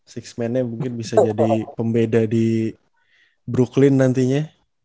six man nya mungkin bisa jadi pembeda di brooklyn nantinya